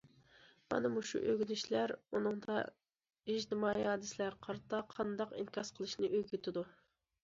مانا مۇشۇ ئۆگىنىشلەر ئۇنىڭدا ئىجتىمائىي ھادىسىلەرگە قارىتا قانداق ئىنكاس قىلىشنى ئۆگىتىدۇ.